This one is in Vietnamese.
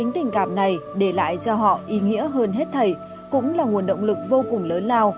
tình cảm này để lại cho họ ý nghĩa hơn hết thầy cũng là nguồn động lực vô cùng lớn lao